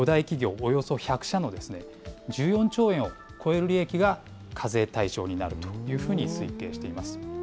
およそ１００社の１４兆円を超える利益が課税対象になるというふうに推定しています。